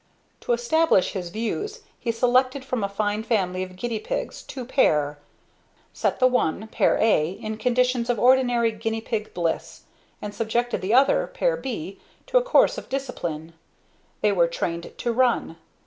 To establish his views he selected from a fine family of guinea pigs two pair; set the one, Pair A, in conditions of ordinary guinea pig bliss, and subjected the other, Pair B, to a course of discipline. They were trained to run.